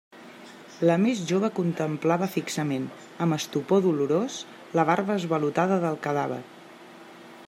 La més jove contemplava fixament, amb estupor dolorós, la barba esvalotada del cadàver.